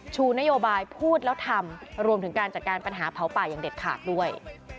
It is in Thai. ชูนโยบายพูดแล้วทำรวมถึงการจัดการปัญหาเผาป่าอย่างเด็ดขาดด้วย